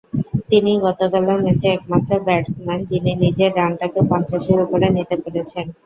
তিনিই গতকালের ম্যাচে একমাত্র ব্যাটসম্যান, যিনি নিজের রানটাকে পঞ্চাশের ওপরে নিতে পেরেছেন।